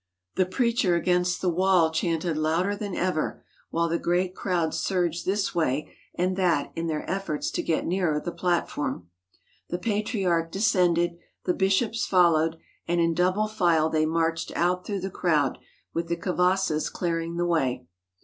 The preacher against the wall chanted louder than ever, while the great crowd surged this way and that in their efforts to get nearer the platform. The Patriarch de scended, the bishops followed, and in double file they marched out through the crowd, with the kavasses clear ing the way.